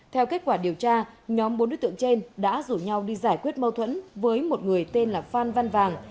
theo kết quả điều tra nhóm bốn đối tượng trên đã rủ nhau đi giải quyết mâu thuẫn với một người tên là phan văn vàng